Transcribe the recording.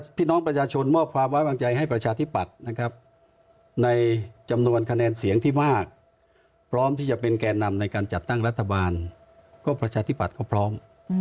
พี่น้องประชาชนมอบความไว้วางใจให้ประชาธิปัตย์นะครับในจำนวนคะแนนเสียงที่มากพร้อมที่จะเป็นแก่นำในการจัดตั้งรัฐบาลก็ประชาธิบัติก็พร้อม